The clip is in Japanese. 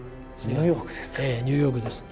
ニューヨークですか？